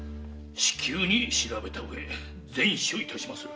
至急に調べたうえ善処いたしまする。